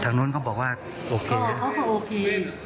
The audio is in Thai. จากนู้นเค้าบอกว่าโอเคนะครับอ๋อเค้าก็โอเค